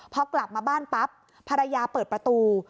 พอกลับมาบ้านปั๊บภรรยาเปิดประตู